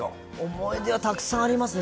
思い出はたくさんありますね。